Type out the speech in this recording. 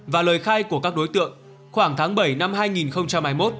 và lời khai của các đối tượng khoảng tháng bảy năm hai nghìn hai mươi một